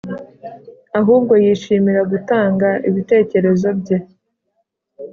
ahubwo yishimira gutanga ibitekerezo bye